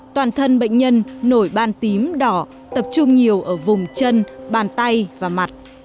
toàn thân bệnh nhân nổi ban tím đỏ tập trung nhiều ở vùng chân bàn tay và mặt